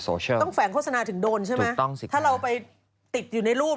ถ้าเราไปติดอยู่ในรูป